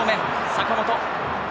坂本。